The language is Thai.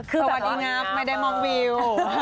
คือสวัสดีครับไม่ได้มองวิว